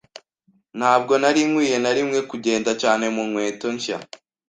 Ntabwo nari nkwiye na rimwe kugenda cyane mu nkweto nshya.